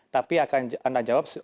tapi akan anda jawab